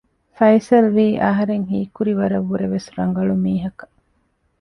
ފައިސަލްވީ އަހަރެން ހީކުރި ވަރަށް ވުރެވެސް ރަނގަޅު މީހަކަށް